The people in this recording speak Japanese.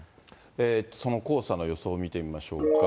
その黄砂の予想を見てみましょうか。